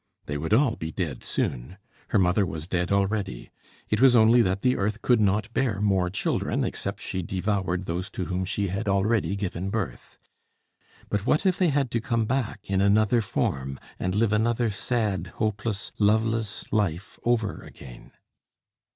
They would all be dead soon. Her mother was dead already. It was only that the earth could not bear more children, except she devoured those to whom she had already given birth. But what if they had to come back in another form, and live another sad, hopeless, love less life over again?